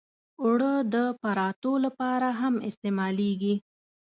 اوړه د پراتو لپاره هم استعمالېږي